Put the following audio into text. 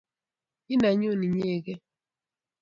Ii nenyu inyegei